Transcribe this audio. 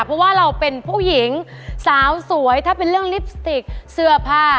เพราะว่าเราเป็นผู้หญิงสาวสวยถ้าเป็นเรื่องลิปสติกเสื้อผ้า